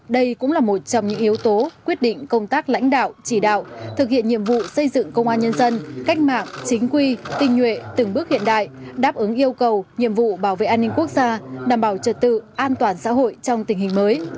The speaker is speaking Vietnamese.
đây cũng là một trong những yếu tố quyết định công tác lãnh đạo chỉ đạo thực hiện nhiệm vụ xây dựng công an nhân dân cách mạng chính quy tinh nhuệ từng bước hiện đại đáp ứng yêu cầu nhiệm vụ bảo vệ an ninh quốc gia đảm bảo trật tự an toàn xã hội trong tình hình mới